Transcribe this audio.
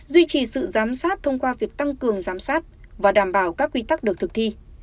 duy trì sự giám sát thông qua việc tăng cường giám sát và đảm bảo các quy tắc được thực thi